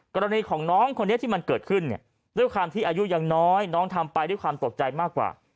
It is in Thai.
กรณีของน้องคนนี้ที่มันเกิดขึ้นเนี่ยด้วยความที่อายุยังน้อยน้องทำไปด้วยความตกใจมากกว่า